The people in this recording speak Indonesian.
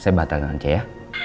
saya batalin aja ya